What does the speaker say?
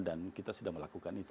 dan kita sudah melakukan itu